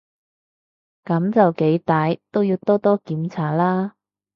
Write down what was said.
噉就幾歹都要多多檢查啦